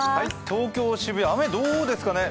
東京・渋谷、雨、どうですかね